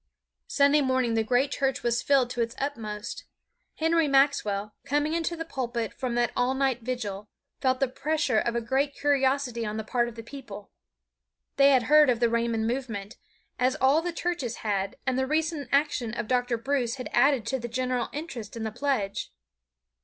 Sunday morning the great church was filled to its utmost. Henry Maxwell, coming into the pulpit from that all night vigil, felt the pressure of a great curiosity on the part of the people. They had heard of the Raymond movement, as all the churches had, and the recent action of Dr. Bruce had added to the general interest in the pledge.